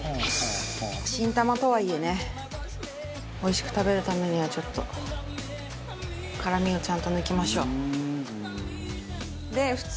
新玉とはいえねおいしく食べるためにはちょっと辛みをちゃんと抜きましょう。